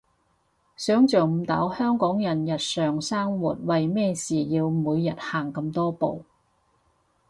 想像唔到香港人日常生活為咩事要每日行咁多步